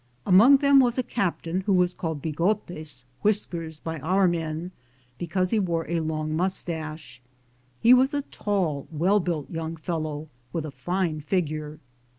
Among them was a captain who was called Bigotes (Whiskers) by our men, because he wore a long mustache. He was a tall, well built young fellow, with a fine figure.